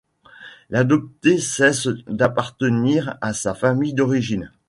L'adopté cesse d'appartenir à sa famille d'origine.